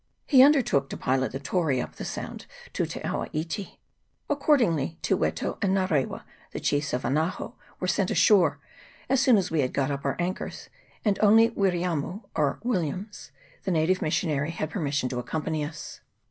He under took to pilot the Tory up the Sound to Te awa iti. Accordingly, Te Wetu and Ngarewa, the chiefs of Anaho, were sent ashore, as soon as we had got up our anchors, and only Wiriamu (or Williams), the native missionary, had permission to accompany us.